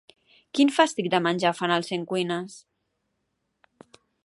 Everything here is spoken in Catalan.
Quin fàstic de menjar fan al Centcuines?